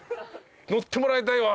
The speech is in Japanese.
乗ってもらいたいわ。